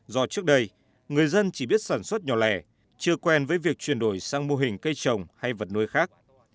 do trước đây người dân chỉ biết sản xuất nhỏ lẻ chưa quen với việc chuyển đổi sang mô hình cây trồng hay vật nuôi khác